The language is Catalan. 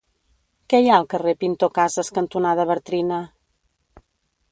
Què hi ha al carrer Pintor Casas cantonada Bartrina?